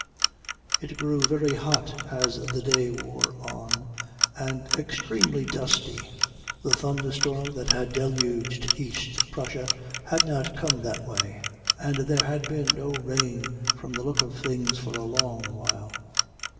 It grew very hot as the day wore on, and extremely dusty. The thunderstorm that had deluged East Prussia had not come that way, and there had been no rain from the look of things for a long while.